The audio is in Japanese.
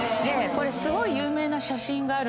すごい有名な写真がある。